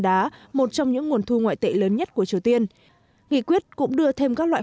đá một trong những nguồn thu ngoại tệ lớn nhất của triều tiên nghị quyết cũng đưa thêm các loại